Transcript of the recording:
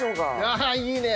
ああいいね。